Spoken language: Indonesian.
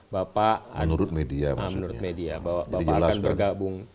bapak akan bergabung